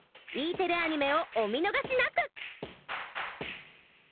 Ｅテレアニメをお見逃しなく！